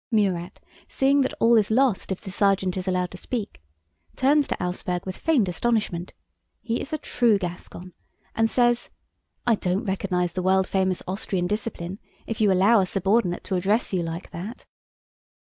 Murat, seeing that all is lost if the sergeant is allowed to speak, turns to Auersperg with feigned astonishment (he is a true Gascon) and says: 'I don't recognize the world famous Austrian discipline, if you allow a subordinate to address you like that!